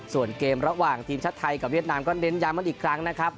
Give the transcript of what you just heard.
ส่วนเกมระหว่างทีมชาติไทยกับเวียดนามก็เน้นย้ำกันอีกครั้งนะครับ